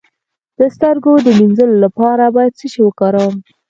د سترګو د مینځلو لپاره باید څه شی وکاروم؟